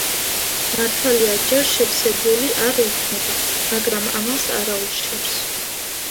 მართალია ჯერ შევსებული არ იქნება, მაგრამ ამას არაუშავს.